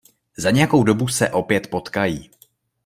Za nějakou dobu se opět potkají...